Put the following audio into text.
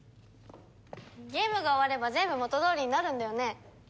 ゲームが終われば全部元どおりになるんだよね？